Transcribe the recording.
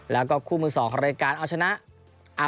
แล้วก็คู่มือสองของรายการเอาชนะ